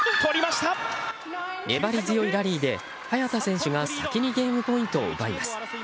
粘り強いラリーで早田選手が先にゲームポイントを奪います。